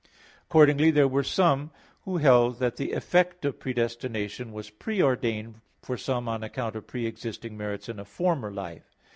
Accordingly there were some who held that the effect of predestination was pre ordained for some on account of pre existing merits in a former life.